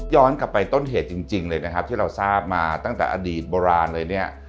กลับไปต้นเหตุจริงเลยนะครับที่เราทราบมาตั้งแต่อดีตโบราณเลยเนี่ย